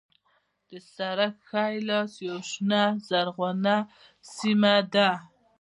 د سړک ښی لاس یوه شنه زرغونه سیمه ده.